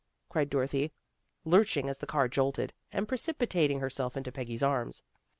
" cried Dorothy, lurching as the car jolted, and precipitating herself into Peggy's arms.